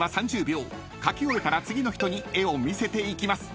［描き終えたら次の人に絵を見せていきます］